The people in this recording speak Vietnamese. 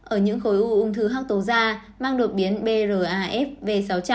ở những khối u ung thư hạc tố da mang đột biến braf v sáu trăm linh